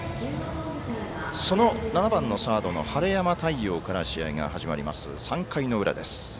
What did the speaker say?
その７番のサードの晴山太陽から試合が始まります、３回の裏です。